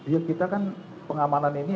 ya kita kan pengamanan ini